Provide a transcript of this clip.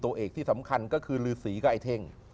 และสำคัญก็คือลือสีกับไอ้เท่ง